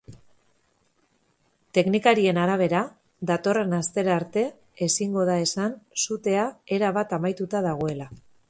Teknikarien arabera, datorren astera arte ezingo da esan sutea erabat amatatuta dagoela.